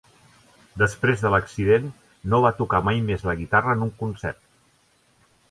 Després de l'accident no va tocar mai més la guitarra en un concert.